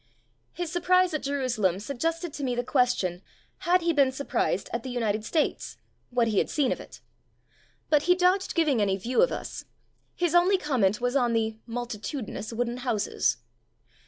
His surprise at Jerusalem suggested to me the question, had he been sur prised at the United States — ^what he had seen of it? But he dodged giving any "view" of us. His only conmient was on the "multitudinous wooden houses".